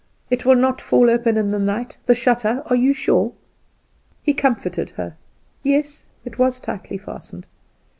"It will not fall open in the night, the shutter you are sure?" He comforted her. Yes, it was tightly fastened.